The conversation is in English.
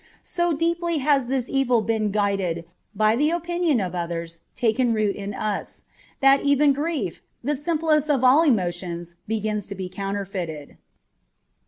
So deeply has this evil of being guided by the opinion of others taken root in us, that even grief, the simplest of all emotions, begins to be counterfeited.